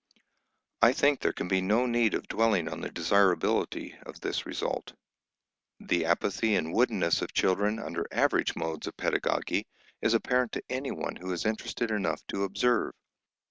I think there can be no need of dwelling on the desirability of this result. The apathy and "woodenness" of children under average modes of pedagogy is apparent to anyone who is interested enough to observe.